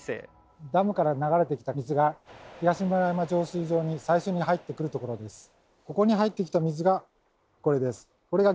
ダムから流れてきた水が東村山浄水場に最初に入ってくるところです。